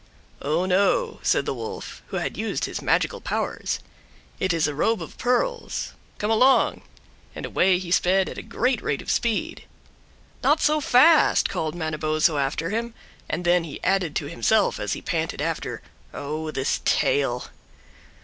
"Oh, no," said the Wolf, who had used his magical powers, "it is a robe of pearls. Come along!" And away he sped at a great rate of speed. "Not so fast," called Manabozho after him; and then he added to himself as he panted after, "Oh, this tail!"